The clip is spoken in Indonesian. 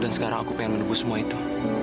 dan sekarang aku pengen menemukan semua itu